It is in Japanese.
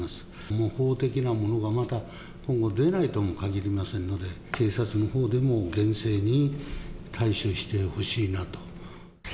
模倣的なものがまた今後出ないともかぎりませんので、警察のほうでも厳正に対処してほしいなと。